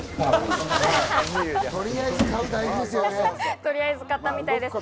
とりあえず買ったみたいです。